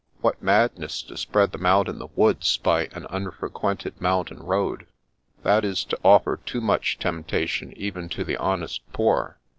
What madness to spread them out in the woods by an unfrequented mountain road! That is to offer too much temptation even to the honest poor."